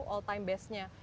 all time bestnya